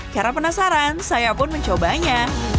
karena penasaran saya pun mencobanya